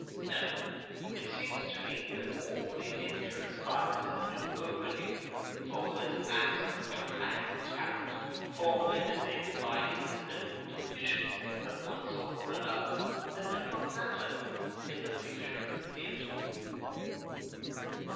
No, it seems to me that all the interest lies in the new opening for the mass of dramatic talent formerly disabled by incidental deficiencies of one sort or another that do not matter in the picture theatre...."